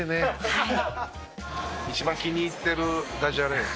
はい。